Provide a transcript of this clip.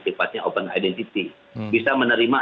sifatnya open identity bisa menerima